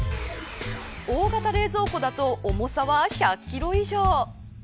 大型冷蔵庫だと重さは１００キロ以上。